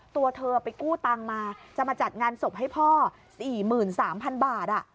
ตัวเธอไปกู้ตังค์มาจะมาจัดงานศพให้พ่อ๔๓๐๐๐บาท